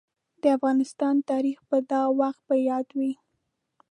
د افغانستان تاريخ به دا وخت په ياد وي.